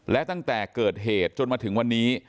และตั้งแต่เกิดเหตุจนมาถึงวันนี้